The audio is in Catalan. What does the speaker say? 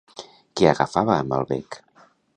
Què agafava amb el bec?